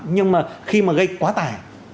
nhưng mà khi mà gây quá tài